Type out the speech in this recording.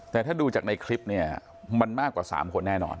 แต่ถ้าดูจากในคลิปเนี่ยมันมากกว่า๓คนแน่นอน